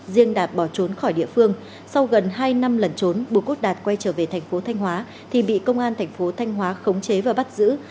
riêng đạt bỏ trốn khỏi địa phương sau gần hai năm lần trốn bùi quốc đạt quay trở về tp thanh hóa thì bị công an tp thanh hóa khống chế và bắt giữ